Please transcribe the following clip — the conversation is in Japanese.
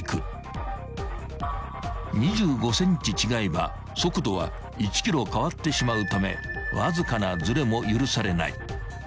［２５ｃｍ違えば速度は１キロ変わってしまうためわずかなずれも許されない］